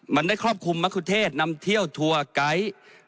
มันได้ครอบคลุมมะคุเทศนำเที่ยวทัวร์ไกด์